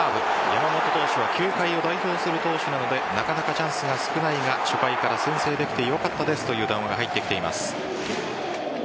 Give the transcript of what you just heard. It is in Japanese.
山本投手は球界を代表する投手なのでなかなかチャンスが少ないが初回から先制できてよかったですという談話が入ってきています。